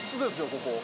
ここ。